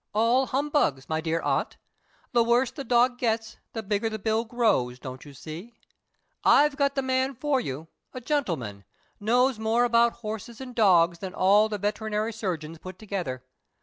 "All humbugs, my dear aunt. The worse the dog gets the bigger the bill grows, don't you see? I have got the man for you a gentleman. Knows more about horses and dogs than all the veterinary surgeons put together.